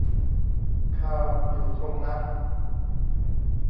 คาร์ลอยู่ตรงนั้น